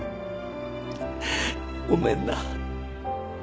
ごめんな。